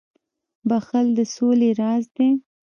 • بخښل د سولي راز دی.